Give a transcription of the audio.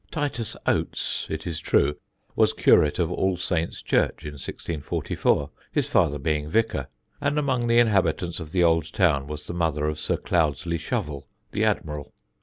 Titus Oates, it is true, was curate of All Saints church in 1674, his father being vicar; and among the inhabitants of the old town was the mother of Sir Cloudesley Shovel, the admiral.